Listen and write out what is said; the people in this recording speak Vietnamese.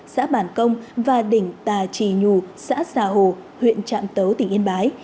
xã bản công và đỉnh tà trì nhù xã xà hồ huyện trạm tấu tỉnh yên bái